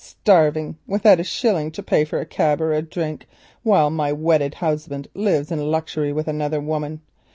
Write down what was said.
"Starving without a shilling to pay for a cab or a drink while my wedded husband lives in luxury with another woman.